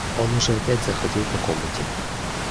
Он уже опять заходил по комнате.